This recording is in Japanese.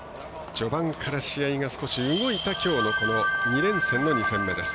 序盤から試合が少し動いたきょうのこの２連戦の２戦目です。